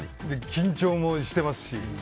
緊張もしてますし。